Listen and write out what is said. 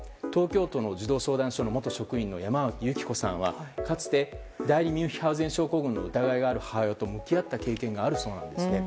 東京都の児童相談所の元職員の山脇由貴子さんはかつて代理ミュンヒハウゼン症候群の疑いがある母親と向き合った経験があるそうです。